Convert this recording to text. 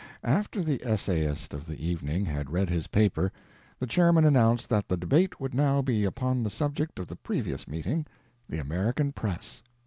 After the essayist of the evening had read his paper, the chairman announced that the debate would now be upon the subject of the previous meeting, "The American Press."